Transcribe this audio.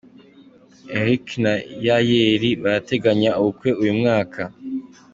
Eric na Yayeli barateganya ubukwe uyu mwaka.